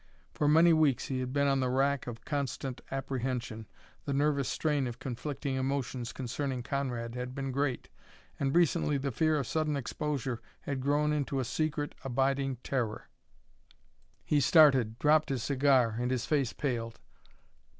For many weeks he had been on the rack of constant apprehension, the nervous strain of conflicting emotions concerning Conrad had been great, and recently the fear of sudden exposure had grown into a secret, abiding terror. He started, dropped his cigar, and his face paled.